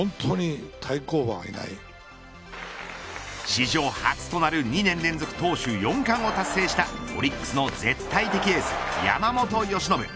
史上初となる２年連続投手４冠を達成したオリックスの絶対的エース山本由伸。